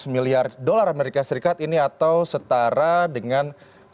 lima ratus miliar dolar amerika serikat ini atau setara dengan